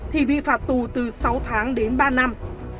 thì bị phạt tù từ sáu tháng đến ba năm